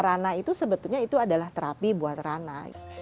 rana itu sebetulnya itu adalah terapi buat rana